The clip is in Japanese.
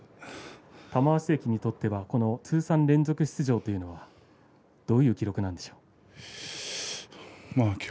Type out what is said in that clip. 玉鷲関にとっては通算連続出場というのはどういう記録なんでしょう？